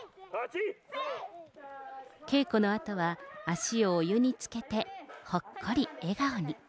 稽古のあとは足をお湯につけて、ほっこり笑顔に。